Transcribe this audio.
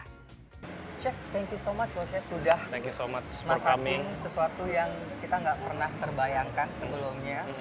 chef terima kasih banyak sudah masak sesuatu yang kita tidak pernah terbayangkan sebelumnya